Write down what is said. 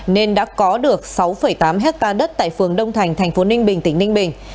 nên đã có được sáu tám hectare đất tại phường đông thành thành phố ninh bình tỉnh ninh bình